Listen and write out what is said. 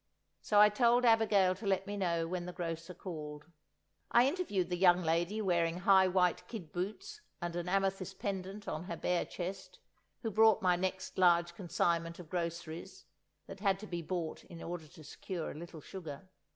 So I told Abigail to let me know when the grocer called. I interviewed the young lady wearing high white kid boots and an amethyst pendant on her bare chest, who brought my next large consignment of groceries, that had to be bought in order to secure a little sugar.